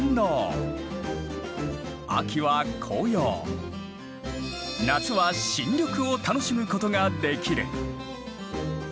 秋は紅葉夏は新緑を楽しむことができる。